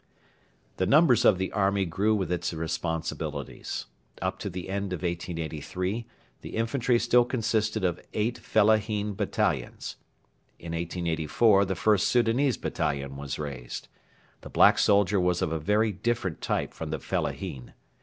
The numbers of the army grew with its responsibilities. Up to the end of 1883 the infantry still consisted of eight fellahin battalions. In 1884 the first Soudanese battalion was raised. The black soldier was of a very different type from the fellahin.